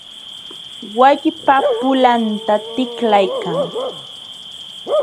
Wallpa pulanta tiklaykan.